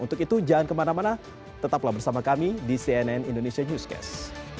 untuk itu jangan kemana mana tetaplah bersama kami di cnn indonesia newscast